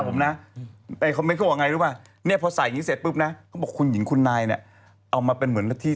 ไว้ของส่วนตัวใช่ไม่ใช่ส่วนตัวเขาก็